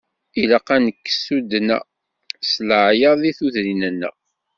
Ilaq ad nekkes tuddna s leɛyaḍ deg tudrin-nneɣ.